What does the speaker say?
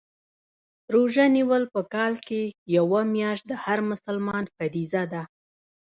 روژه نیول په کال کي یوه میاشت د هر مسلمان فریضه ده